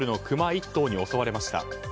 １頭に襲われました。